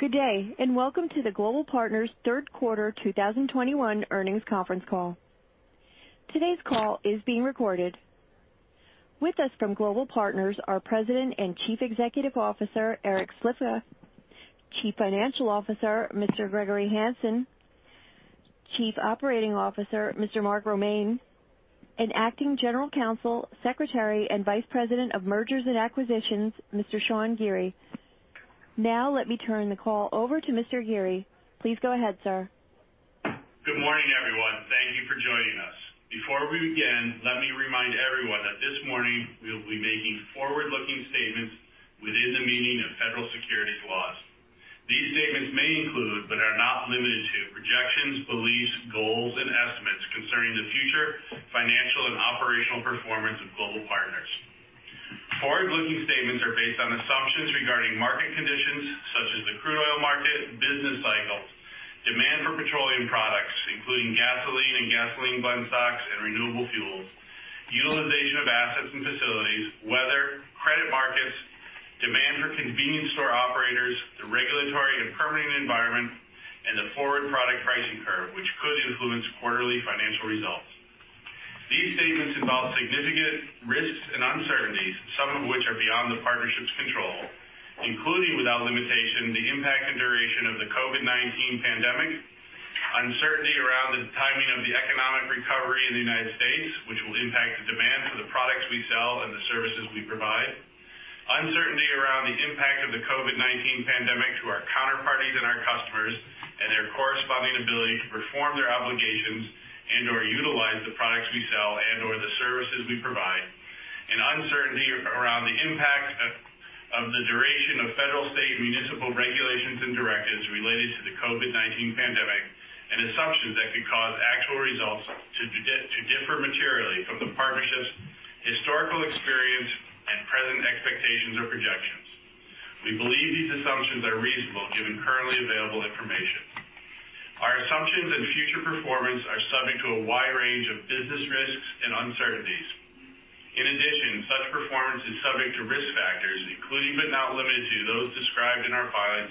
Good day, and welcome to the Global Partners third quarter 2021 earnings conference call. Today's call is being recorded. With us from Global Partners are President and Chief Executive Officer, Eric Slifka; Chief Financial Officer, Mr. Gregory Hanson; Chief Operating Officer, Mr. Mark Romaine; and Acting General Counsel, Secretary, and Vice President of Mergers and Acquisitions, Mr. Sean Geary. Now let me turn the call over to Mr. Geary. Please go ahead, sir. Good morning, everyone. Thank you for joining us. Before we begin, let me remind everyone that this morning we'll be making forward-looking statements within the meaning of federal securities laws. These statements may include, but are not limited to, projections, beliefs, goals, and estimates concerning the future financial and operational performance of Global Partners. Forward-looking statements are based on assumptions regarding market conditions such as the crude oil market, business cycle, demand for petroleum products, including gasoline and gasoline blendstocks and renewable fuels, utilization of assets and facilities, weather, credit markets, demand for convenience store operators, the regulatory and permitting environment, and the forward product pricing curve, which could influence quarterly financial results. These statements involve significant risks and uncertainties, some of which are beyond the partnership's control, including, without limitation, the impact and duration of the COVID-19 pandemic, uncertainty around the timing of the economic recovery in the United States, which will impact the demand for the products we sell and the services we provide, uncertainty around the impact of the COVID-19 pandemic to our counterparties and our customers and their corresponding ability to perform their obligations and/or utilize the products we sell and/or the services we provide, and uncertainty around the impact of the duration of federal, state, and municipal regulations and directives related to the COVID-19 pandemic and assumptions that could cause actual results to differ materially from the partnership's historical experience and present expectations or projections. We believe these assumptions are reasonable given currently available information. Our assumptions and future performance are subject to a wide range of business risks and uncertainties. In addition, such performance is subject to risk factors, including, but not limited to, those described in our filings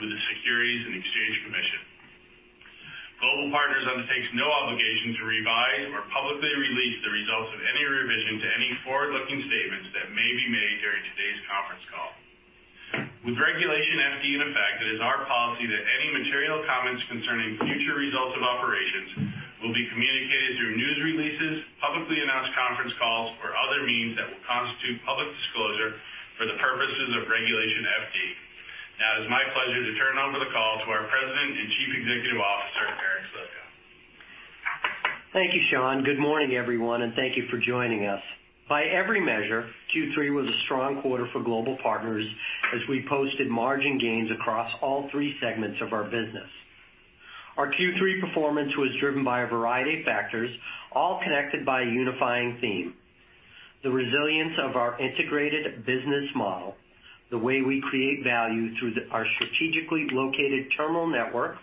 with the Securities and Exchange Commission. Global Partners undertakes no obligation to revise or publicly release the results of any revision to any forward-looking statements that may be made during today's conference call. With Regulation FD in effect, it is our policy that any material comments concerning future results of operations will be communicated through news releases, publicly announced conference calls, or other means that will constitute public disclosure for the purposes of Regulation FD. Now it is my pleasure to turn over the call to our President and Chief Executive Officer, Eric Slifka. Thank you, Sean. Good morning, everyone, and thank you for joining us. By every measure, Q3 was a strong quarter for Global Partners as we posted margin gains across all three segments of our business. Our Q3 performance was driven by a variety of factors, all connected by a unifying theme, the resilience of our integrated business model, the way we create value through our strategically located terminal network,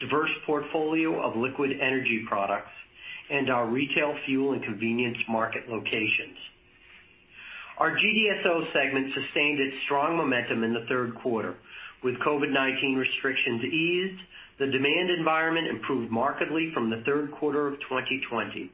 diverse portfolio of liquid energy products, and our retail fuel and convenience market locations. Our GDSO segment sustained its strong momentum in the third quarter. With COVID-19 restrictions eased, the demand environment improved markedly from the third quarter of 2020.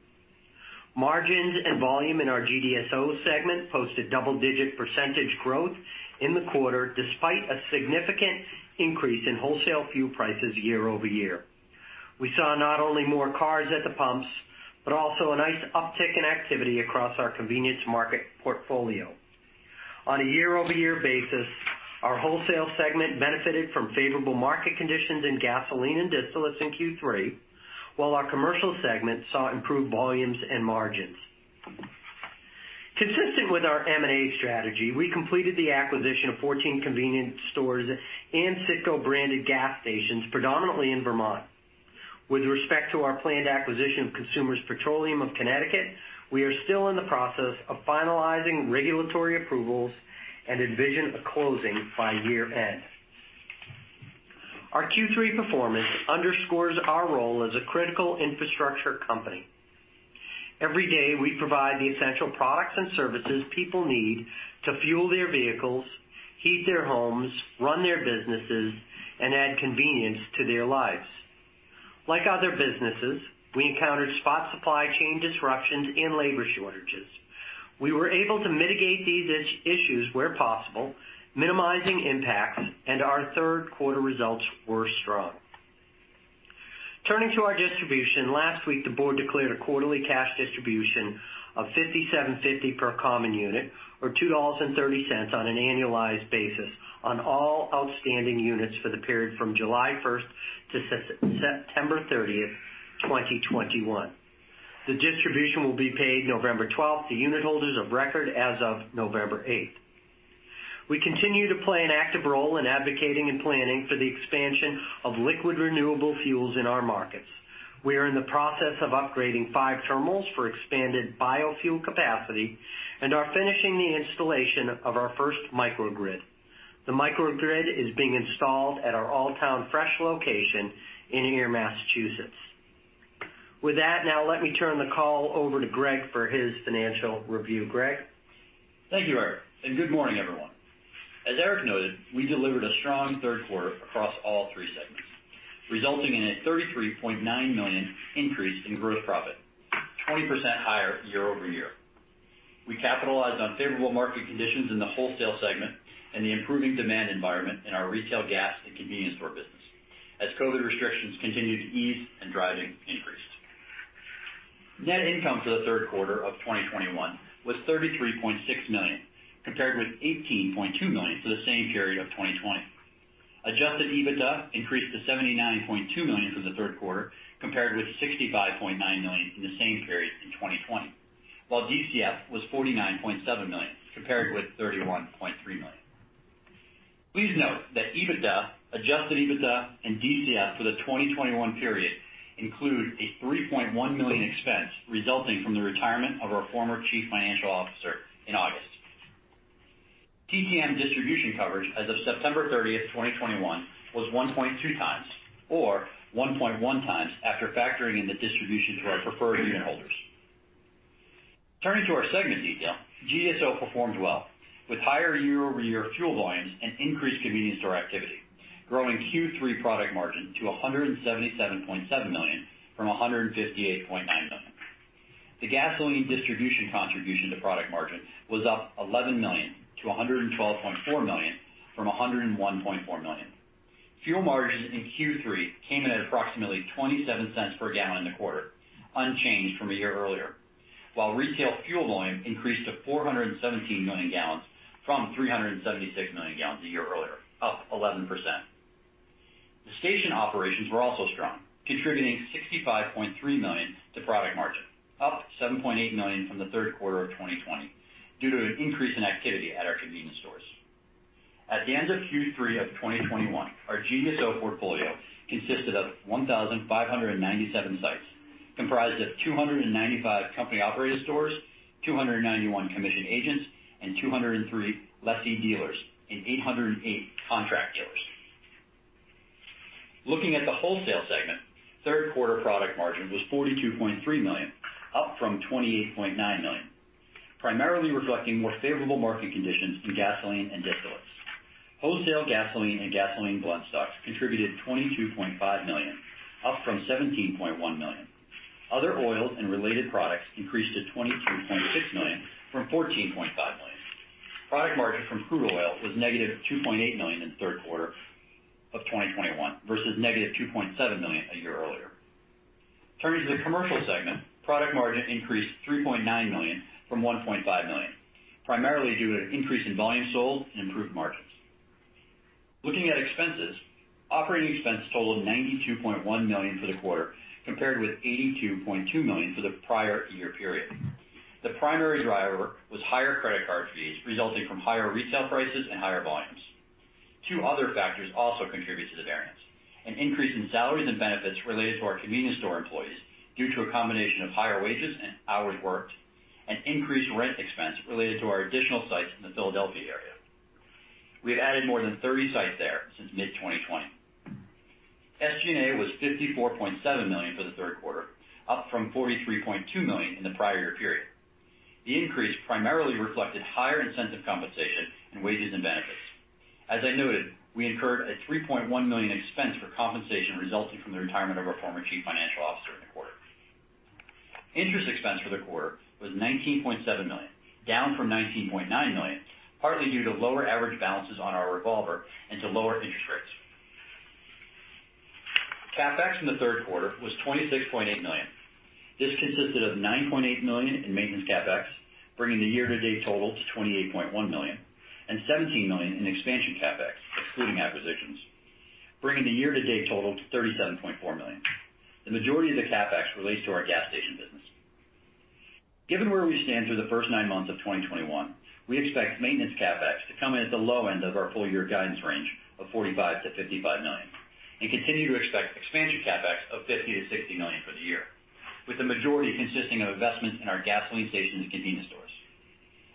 Margins and volume in our GDSO segment posted double-digit % growth in the quarter despite a significant increase in wholesale fuel prices year-over-year. We saw not only more cars at the pumps, but also a nice uptick in activity across our convenience market portfolio. On a year-over-year basis, our wholesale segment benefited from favorable market conditions in gasoline and distillates in Q3, while our commercial segment saw improved volumes and margins. Consistent with our M&A strategy, we completed the acquisition of 14 convenience stores and CITGO-branded gas stations, predominantly in Vermont. With respect to our planned acquisition of Consumers Petroleum of Connecticut, we are still in the process of finalizing regulatory approvals and envision a closing by year-end. Our Q3 performance underscores our role as a critical infrastructure company. Every day, we provide the essential products and services people need to fuel their vehicles, heat their homes, run their businesses, and add convenience to their lives. Like other businesses, we encountered spot supply chain disruptions and labor shortages. We were able to mitigate these issues where possible, minimizing impacts, and our third quarter results were strong. Turning to our distribution, last week, the board declared a quarterly cash distribution of $0.5750 per common unit or $2.30 on an annualized basis on all outstanding units for the period from July 1 to September 30, 2021. The distribution will be paid November 12 to unit holders of record as of November 8. We continue to play an active role in advocating and planning for the expansion of liquid renewable fuels in our markets. We are in the process of upgrading five terminals for expanded biofuel capacity and are finishing the installation of our first microgrid. The microgrid is being installed at our Alltown Fresh location in Ayer, Massachusetts. With that, now let me turn the call over to Greg for his financial review. Greg? Thank you, Eric, and good morning, everyone. As Eric noted, we delivered a strong third quarter across all three segments, resulting in a $33.9 million increase in gross profit, 20% higher year-over-year. We capitalized on favorable market conditions in the wholesale segment and the improving demand environment in our retail gas and convenience store business as COVID restrictions continued to ease and driving increased. Net income for the third quarter of 2021 was $33.6 million, compared with $18.2 million for the same period of 2020. Adjusted EBITDA increased to $79.2 million for the third quarter, compared with $65.9 million in the same period in 2020, while DCF was $49.7 million, compared with $31.3 million. Please note that EBITDA, adjusted EBITDA and DCF for the 2021 period include a $3.1 million expense resulting from the retirement of our former chief financial officer in August. TTM distribution coverage as of September 30, 2021 was 1.2 times or 1.1 times after factoring in the distribution to our preferred unit holders. Turning to our segment detail, GDSO performed well with higher year-over-year fuel volumes and increased convenience store activity, growing Q3 product margin to $177.7 million from $158.9 million. The gasoline distribution contribution to product margin was up $11 million-$112.4 million from $101.4 million. Fuel margins in Q3 came in at approximately $0.27 per gallon in the quarter, unchanged from a year earlier, while retail fuel volume increased to 417 million gallons from 376 million gallons a year earlier, up 11%. The station operations were also strong, contributing $65.3 million to product margin, up $7.8 million from the third quarter of 2020 due to an increase in activity at our convenience stores. At the end of Q3 of 2021, our GDSO portfolio consisted of 1,597 sites, comprised of 295 company-operated stores, 291 commissioned agents, 203 lessee dealers, and 808 contract stores. Looking at the wholesale segment, Q3 product margin was $42.3 million, up from $28.9 million, primarily reflecting more favorable market conditions in gasoline and distillates. Wholesale gasoline and gasoline blend stocks contributed $22.5 million, up from $17.1 million. Other oils and related products increased to $22.6 million from $14.5 million. Product margin from crude oil was negative $2.8 million in the third quarter of 2021 versus negative $2.7 million a year earlier. Turning to the commercial segment, product margin increased $3.9 million from $1.5 million, primarily due to an increase in volume sold and improved margins. Looking at expenses, operating expense totaled $92.1 million for the quarter, compared with $82.2 million for the prior year period. The primary driver was higher credit card fees resulting from higher retail prices and higher volumes. Two other factors also contributed to the variance, an increase in salaries and benefits related to our convenience store employees due to a combination of higher wages and hours worked, and increased rent expense related to our additional sites in the Philadelphia area. We have added more than 30 sites there since mid-2020. SG&A was $54.7 million for the third quarter, up from $43.2 million in the prior year period. The increase primarily reflected higher incentive compensation and wages and benefits. As I noted, we incurred a $3.1 million expense for compensation resulting from the retirement of our former chief financial officer in the quarter. Interest expense for the quarter was $19.7 million, down from $19.9 million, partly due to lower average balances on our revolver and to lower interest rates. CapEx in the third quarter was $26.8 million. This consisted of $9.8 million in maintenance CapEx, bringing the year-to-date total to $28.1 million and $17 million in expansion CapEx excluding acquisitions, bringing the year-to-date total to $37.4 million. The majority of the CapEx relates to our gas station business. Given where we stand through the first nine months of 2021, we expect maintenance CapEx to come in at the low end of our full year guidance range of $45 million-$55 million and continue to expect expansion CapEx of $50 million-$60 million for the year, with the majority consisting of investment in our gasoline stations and convenience stores.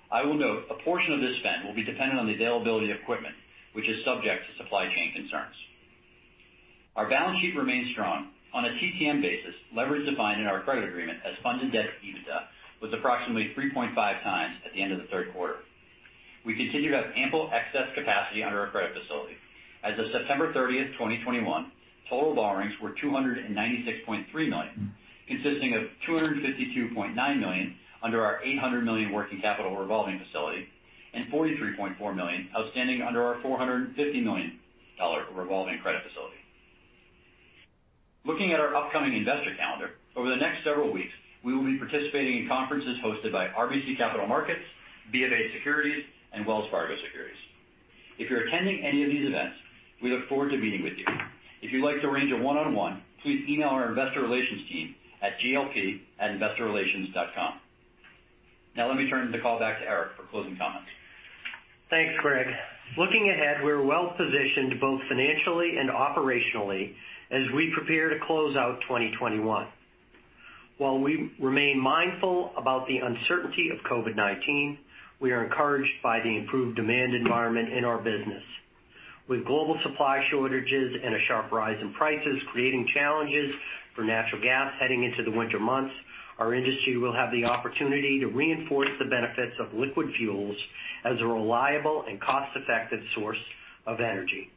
I will note a portion of this spend will be dependent on the availability of equipment which is subject to supply chain concerns. Our balance sheet remains strong on a TTM basis, leverage defined in our credit agreement as funded debt EBITDA was approximately 3.5 times at the end of the third quarter. We continue to have ample excess capacity under our credit facility. As of September 30, 2021, total borrowings were $296.3 million, consisting of $252.9 million under our $800 million working capital revolving facility and $43.4 million outstanding under our $450 million revolving credit facility. Looking at our upcoming investor calendar, over the next several weeks, we will be participating in conferences hosted by RBC Capital Markets, BofA Securities, and Wells Fargo Securities. If you're attending any of these events, we look forward to meeting with you. If you'd like to arrange a one-on-one, please email our investor relations team at glp@investorrelations.com. Now let me turn the call back to Eric for closing comments. Thanks, Greg. Looking ahead, we're well positioned both financially and operationally as we prepare to close out 2021. While we remain mindful about the uncertainty of COVID-19, we are encouraged by the improved demand environment in our business. With global supply shortages and a sharp rise in prices creating challenges for natural gas heading into the winter months, our industry will have the opportunity to reinforce the benefits of liquid fuels as a reliable and cost-effective source of energy.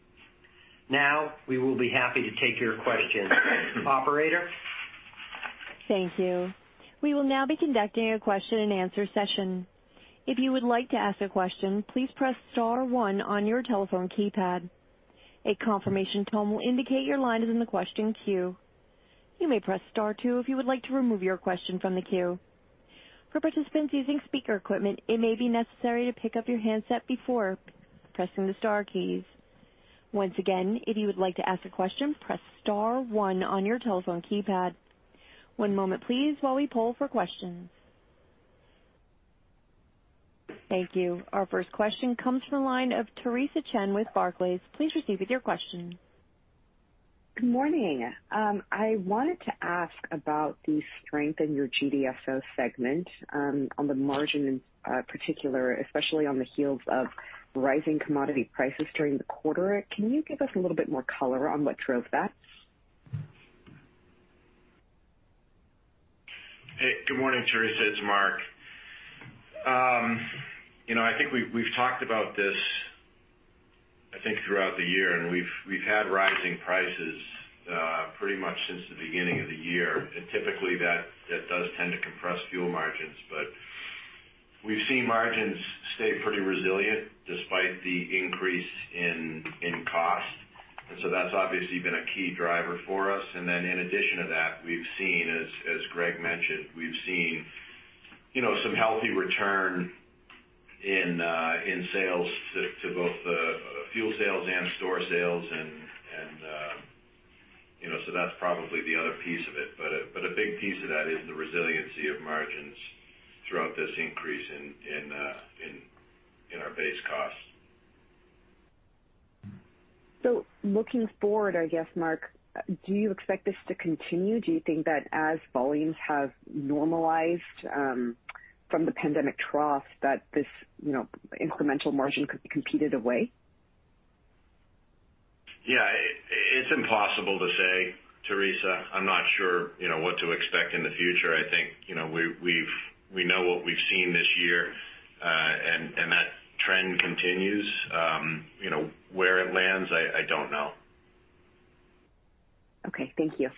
Now, we will be happy to take your questions. Operator? Thank you. We will now be conducting a question-and-answer session. If you would like to ask a question, please press star one on your telephone keypad. A confirmation tone will indicate your line is in the question queue. You may press star two if you would like to remove your question from the queue. For participants using speaker equipment, it may be necessary to pick up your handset before pressing the star keys. Once again, if you would like to ask a question, press star one on your telephone keypad. One moment please while we poll for questions. Thank you. Our first question comes from the line of Theresa Chen with Barclays. Please proceed with your question. Good morning. I wanted to ask about the strength in your GDSO segment, on the margin, particularly, especially on the heels of rising commodity prices during the quarter. Can you give us a little bit more color on what drove that? Hey, good morning, Theresa. It's Mark. You know, I think we've talked about this, I think, throughout the year, and we've had rising prices, pretty much since the beginning of the year. Typically that does tend to compress fuel margins. We've seen margins stay pretty resilient despite the increase in cost. That's obviously been a key driver for us. Then in addition to that, we've seen, as Greg mentioned, you know, some healthy return in sales to both fuel sales and store sales and, you know, so that's probably the other piece of it. A big piece of that is the resiliency of margins throughout this increase in our base costs. Looking forward, I guess, Mark, do you expect this to continue? Do you think that as volumes have normalized, from the pandemic trough, that this, you know, incremental margin could be competed away? Yeah, it's impossible to say, Theresa. I'm not sure, you know, what to expect in the future. I think, you know, we know what we've seen this year, and that trend continues. You know, where it lands, I don't know. Okay, thank you.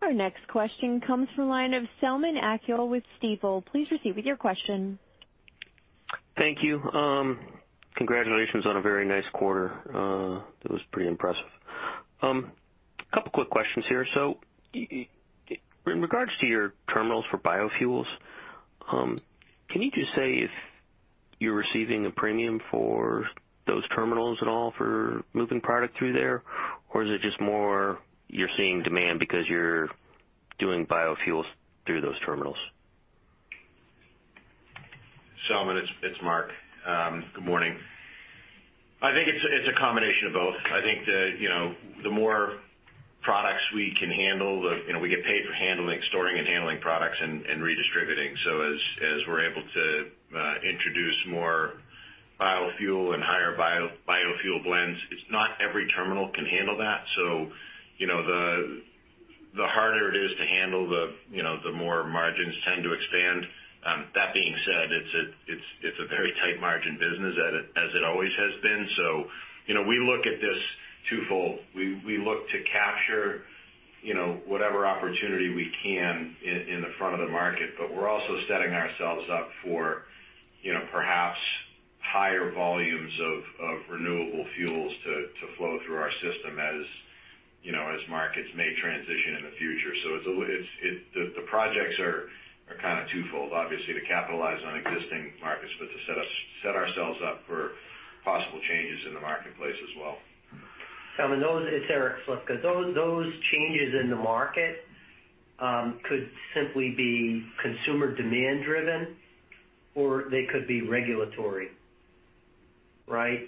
Our next question comes from the line of Selman Akyol with Stifel. Please proceed with your question. Thank you. Congratulations on a very nice quarter. That was pretty impressive. Couple quick questions here. In regards to your terminals for biofuels, can you just say if you're receiving a premium for those terminals at all for moving product through there? Or is it just more you're seeing demand because you're doing biofuels through those terminals? Selman, it's Mark. Good morning. I think it's a combination of both. I think that, you know, the more products we can handle, you know, we get paid for handling, storing and handling products and redistributing. As we're able to introduce more biofuel and higher biofuel blends, it's not every terminal can handle that. You know, the harder it is to handle, you know, the more margins tend to expand. That being said, it's a very tight margin business as it always has been. You know, we look at this twofold. We look to capture, you know, whatever opportunity we can in the front of the market, but we're also setting ourselves up for, you know, perhaps higher volumes of renewable fuels to flow through our system as, you know, as markets may transition in the future. It's the projects are kinda twofold, obviously, to capitalize on existing markets, but to set ourselves up for possible changes in the marketplace as well. Selman, it's Eric Slifka. Those changes in the market could simply be consumer demand driven or they could be regulatory, right?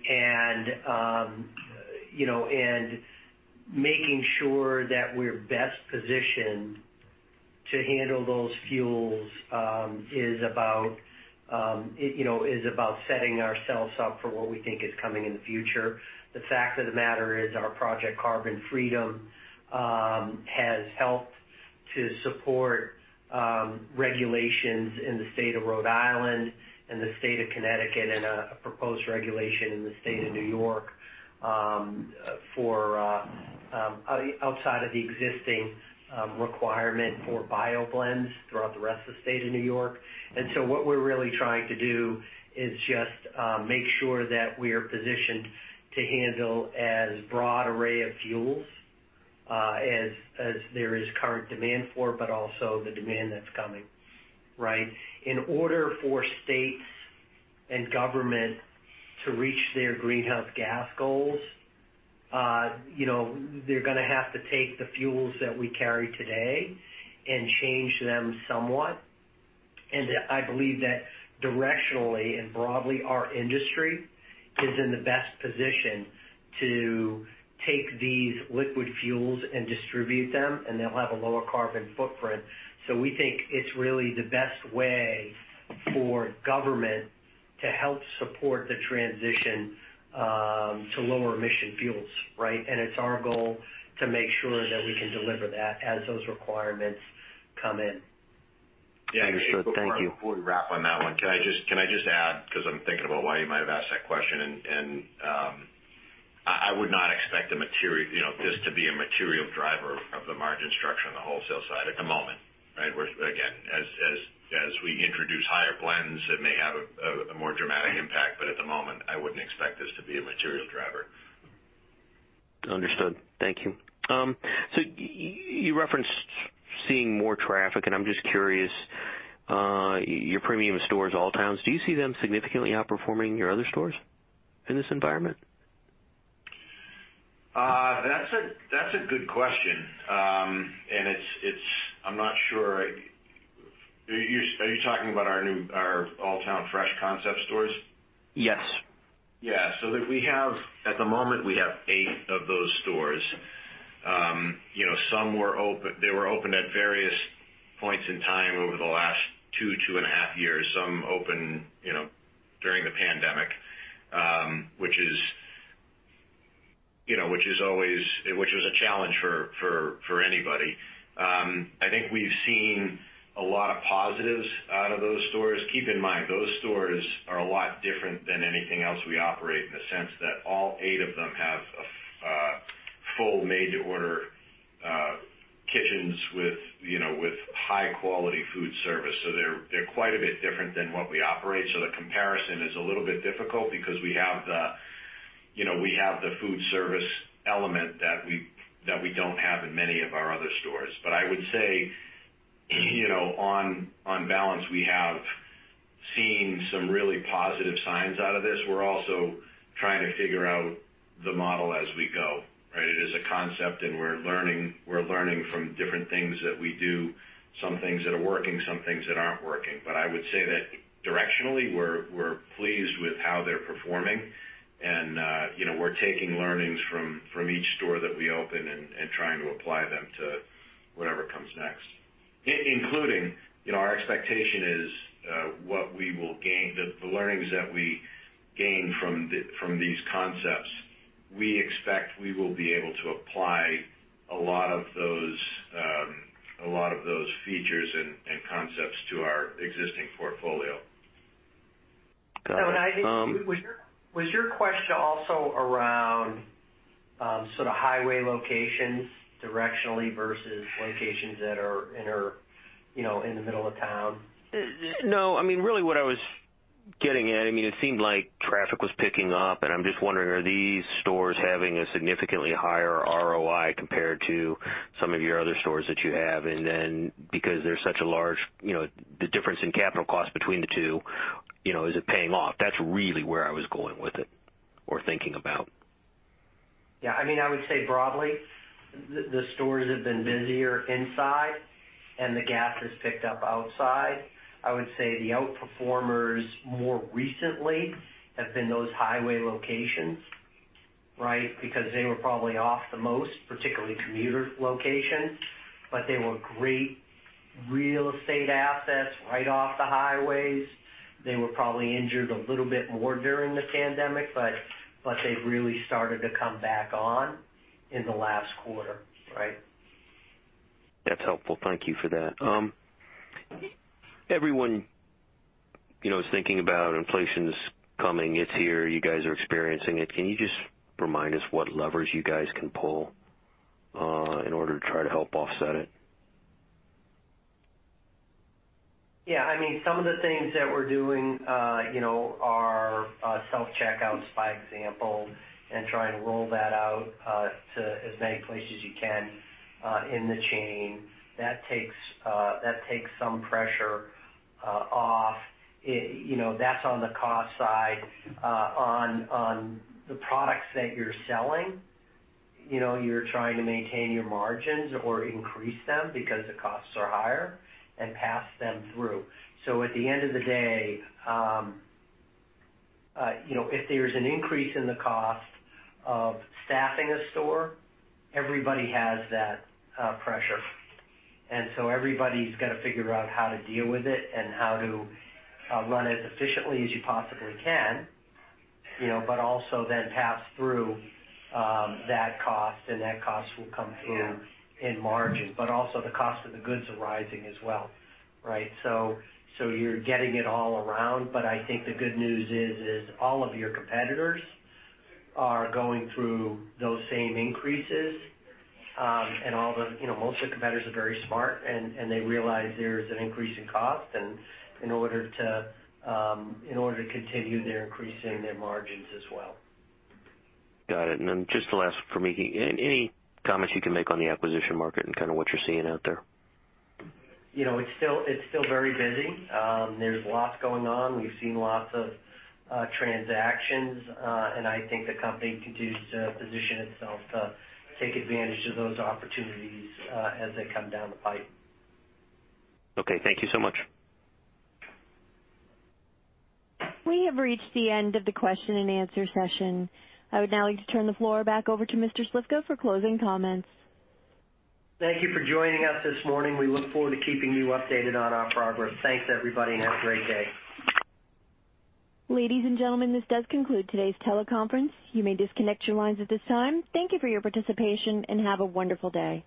You know, and making sure that we're best positioned to handle those fuels is about setting ourselves up for what we think is coming in the future. The fact of the matter is our Project Carbon Freedom has helped to support regulations in the state of Rhode Island and the state of Connecticut, and a proposed regulation in the state of New York for outside of the existing requirement for bioblends throughout the rest of the state of New York. What we're really trying to do is just make sure that we are positioned to handle a broad array of fuels as there is current demand for, but also the demand that's coming, right? In order for states and government to reach their greenhouse gas goals, you know, they're gonna have to take the fuels that we carry today and change them somewhat. I believe that directionally and broadly, our industry is in the best position to take these liquid fuels and distribute them, and they'll have a lower carbon footprint. We think it's really the best way for government to help support the transition to lower emission fuels, right? It's our goal to make sure that we can deliver that as those requirements come in. Yeah. Thank you. Before we wrap on that one, can I just add, 'cause I'm thinking about why you might have asked that question and I would not expect the material, you know, this to be a material driver of the margin structure on the wholesale side at the moment, right? We're again, as we introduce higher blends, it may have a more dramatic impact, but at the moment, I wouldn't expect this to be a material driver. Understood. Thank you. You referenced seeing more traffic, and I'm just curious, your premium stores Alltowns, do you see them significantly outperforming your other stores in this environment? That's a good question. I'm not sure. Are you talking about our new Alltown Fresh concept stores? Yes. We have at the moment eight of those stores. You know, they were opened at various points in time over the last 2.5 years. Some opened, you know, during the pandemic, which was a challenge for anybody. I think we've seen a lot of positives out of those stores. Keep in mind, those stores are a lot different than anything else we operate in the sense that all 8 of them have full made to order kitchens with high quality food service. They're quite a bit different than what we operate. The comparison is a little bit difficult because we have, you know, the food service element that we don't have in many of our other stores. I would say, you know, on balance, we have seen some really positive signs out of this. We're also trying to figure out the model as we go, right? It is a concept, and we're learning from different things that we do, some things that are working, some things that aren't working. I would say that directionally, we're pleased with how they're performing and, you know, we're taking learnings from each store that we open and trying to apply them to whatever comes next. Including, you know, our expectation is what we will gain. The learnings that we gain from these concepts, we expect we will be able to apply a lot of those features and concepts to our existing portfolio. Got it. Was your question also around, sort of highway locations directionally versus locations that are in or, you know, in the middle of town? No. I mean, really what I was getting at, I mean, it seemed like traffic was picking up, and I'm just wondering, are these stores having a significantly higher ROI compared to some of your other stores that you have? Because they're such a large, you know, the difference in capital costs between the two, you know, is it paying off? That's really where I was going with it or thinking about. Yeah. I mean, I would say broadly, the stores have been busier inside, and the gas has picked up outside. I would say the out-performers more recently have been those highway locations, right? Because they were probably off the most, particularly commuter locations, but they were great real estate assets right off the highways. They were probably injured a little bit more during the pandemic, but they've really started to come back on in the last quarter, right? That's helpful. Thank you for that. Everyone, you know, is thinking about inflation's coming, it's here, you guys are experiencing it. Can you just remind us what levers you guys can pull, in order to try to help offset it? Yeah. I mean, some of the things that we're doing, you know, are self-checkouts, by example, and trying to roll that out to as many places you can in the chain. That takes some pressure off. You know, that's on the cost side. On the products that you're selling, you know, you're trying to maintain your margins or increase them because the costs are higher and pass them through. At the end of the day, you know, if there's an increase in the cost of staffing a store, everybody has that pressure. Everybody's gotta figure out how to deal with it and how to run as efficiently as you possibly can, you know, but also then pass through that cost, and that cost will come through in margin. Also the cost of the goods are rising as well, right? You're getting it all around. I think the good news is all of your competitors are going through those same increases, and all the, you know, most of the competitors are very smart and they realize there's an increase in cost. In order to continue, they're increasing their margins as well. Got it. Just the last for me. Any comments you can make on the acquisition market and kinda what you're seeing out there? You know, it's still very busy. There's lots going on. We've seen lots of transactions, and I think the company continues to position itself to take advantage of those opportunities as they come down the pipe. Okay. Thank you so much. We have reached the end of the question and answer session. I would now like to turn the floor back over to Mr. Slifka for closing comments. Thank you for joining us this morning. We look forward to keeping you updated on our progress. Thanks, everybody, and have a great day. Ladies and gentlemen, this does conclude today's teleconference. You may disconnect your lines at this time. Thank you for your participation, and have a wonderful day.